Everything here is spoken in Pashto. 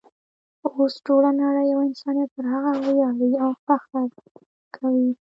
اوس ټوله نړۍ او انسانیت پر هغه ویاړي او فخر کوي.